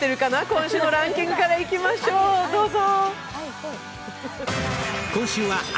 今週のランキングからいきましょう、どうぞ。